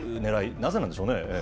なぜなんでしょうね。